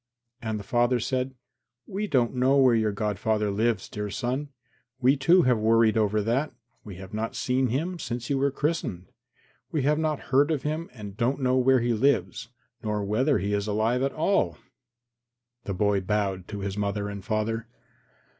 And the father said, "We don't know where your godfather lives, dear son. We, too, have worried over that. We have not seen him since you were christened. We have not heard of him and don't know where he lives, nor whether he is alive at all." The boy bowed to his father and mother.